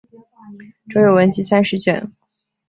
着有文集三十卷。